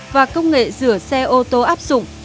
và công nghệ rửa xe ô tô áp dụng